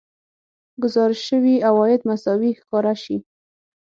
ګزارش شوي عواید مساوي ښکاره شي